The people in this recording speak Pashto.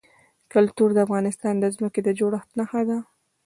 کلتور د افغانستان د ځمکې د جوړښت نښه ده.